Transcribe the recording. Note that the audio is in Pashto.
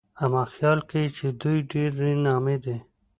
اما خيال کوي چې دوی ډېرې نامي دي